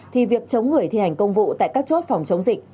thì việc chống người thi hành công vụ tại các chốt phòng chống dịch